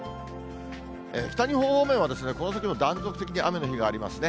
北日本方面は、この先も断続的に雨の日がありますね。